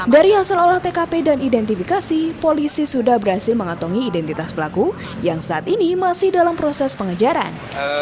dari hasil olah tkp dan identifikasi polisi sudah berhasil mengatongi identitas pelaku yang saat ini masih dalam proses pengejaran